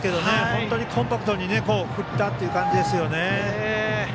本当にコンパクトに振った感じですよね。